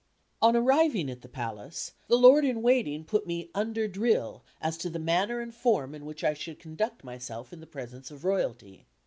On arriving at the Palace, the Lord in Waiting put me "under drill" as to the manner and form in which I should conduct myself in the presence of royalty.